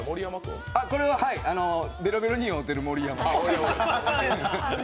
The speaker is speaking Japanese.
これはベロベロに酔うてる盛山。